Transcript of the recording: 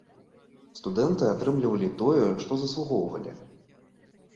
Студэнты атрымлівалі тое, што заслугоўвалі.